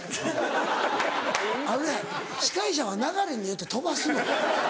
あのね司会者は流れによって飛ばすの。